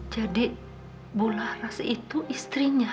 jadi bu laras itu istrinya